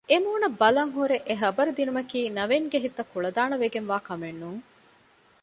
އެމޫނަށް ބަލަން ހުރެ އެޙަބަރު ދިނުމަކީ ނަވީންގެ ހިތަށް ކުޅަދާނަވެގެން ވާ ކަމެއް ނޫން